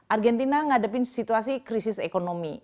argentina ngadepin situasi krisis ekonomi